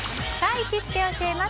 行きつけ教えます！